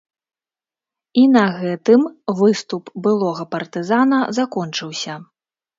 І на гэтым выступ былога партызана закончыўся.